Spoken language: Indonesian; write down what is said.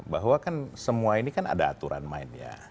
bahwa kan semua ini kan ada aturan mainnya